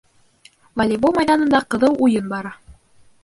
Волейбол майҙанында ҡыҙыу уйын бара.